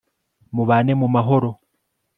mubane mu mahoro